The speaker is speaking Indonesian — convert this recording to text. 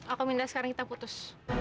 aku minta sekarang kita putus